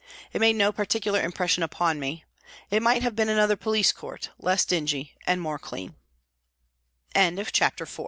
It made no particular impression upon me. It might have been another police court, less dingy and more clea